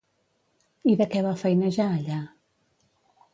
I de què va feinejar allà?